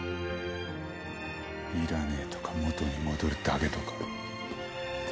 「いらねえ」とか「元に戻るだけ」とか。